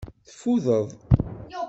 Teffudeḍ.